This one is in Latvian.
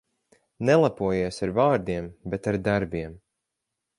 Nelepojies ar vārdiem, bet ar darbiem.